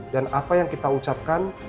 dan apa yang kita ucapkan